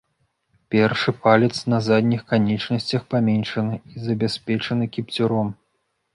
Першы палец на задніх канечнасцях паменшаны і забяспечаны кіпцюром.